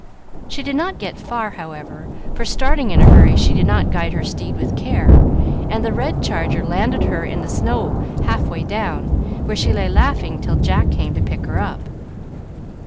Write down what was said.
She did not get far, however; for, starting in a hurry, she did not guide her steed with care, and the red charger landed her in the snow half way down, where she lay laughing till Jack came to pick her up.